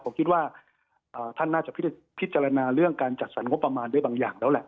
ผมคิดว่าท่านน่าจะพิจารณาเรื่องการจัดสรรงบประมาณด้วยบางอย่างแล้วแหละ